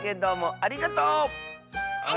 ありがとう！